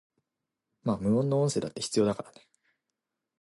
Her parents owned a farm, and her father also worked at a saw mill.